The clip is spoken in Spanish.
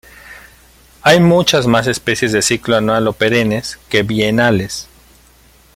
Hay muchas más especies de ciclo anual o perennes que bienales.